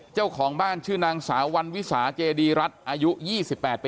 เจ้าของบ้านชื่อนางสาววันวิสาเจดีรัฐอายุ๒๘ปี